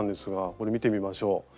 これ見てみましょう。